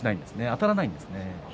あたらないんですね。